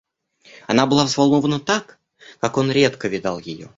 Она была взволнована так, как он редко видал ее.